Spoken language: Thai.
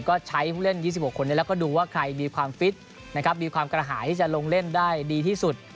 ก็ใช้ผู้เล่น๒๖คนนี้แล้วก็ดูว่าใครมีความฟิตนะครับมีความกระหายที่จะลงเล่นได้ดีที่สุด